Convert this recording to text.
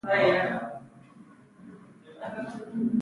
استاده هغه به په پيسو څه وكي.